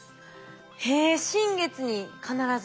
へえ新月に必ず？